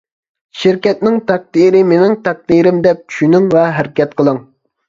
شىركەتنىڭ تەقدىرى مېنىڭ تەقدىرىم دەپ چۈشىنىڭ ۋە ھەرىكەت قىلىڭ.